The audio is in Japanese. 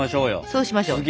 そうしましょう。